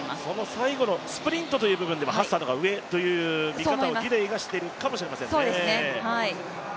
最後のスプリントという部分ではハッサンの方が上という見方をギデイはしているかもしれませんね。